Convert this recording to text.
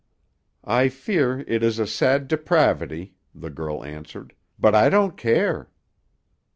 "I fear it is a sad depravity," the girl answered, "but I don't care."